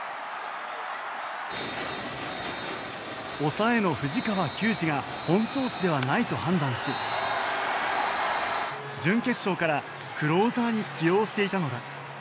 抑えの藤川球児が本調子ではないと判断し準決勝からクローザーに起用していたのだ。